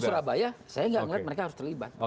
justru di surabaya saya tidak melihat mereka harus terlibat